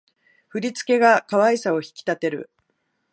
振り付けが可愛さを引き立てる